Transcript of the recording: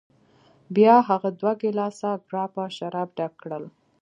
بیا هغه دوه ګیلاسه ګراپا شراب ډک کړل.